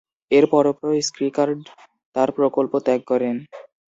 এর পরপরই স্কিকার্ড তার প্রকল্প ত্যাগ করেন।